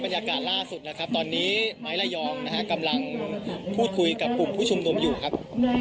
บรรยากาศล่าสุดนะครับตอนนี้ไม้ระยองนะฮะกำลังพูดคุยกับกลุ่มผู้ชุมนุมอยู่ครับ